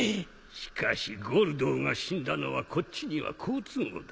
しかしゴルドーが死んだのはこっちには好都合だ。